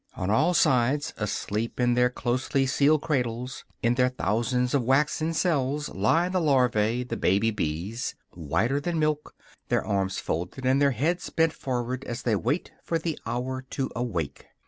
On all sides, asleep in their closely sealed cradles, in their thousands of waxen cells, lie the larvæ, the baby bees, whiter than milk, their arms folded and their head bent forward as they wait for the hour to awake.